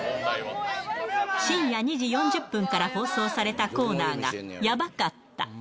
深夜２時４０分から放送されたコーナーがやばかった。